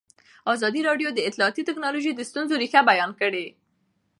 ازادي راډیو د اطلاعاتی تکنالوژي د ستونزو رېښه بیان کړې.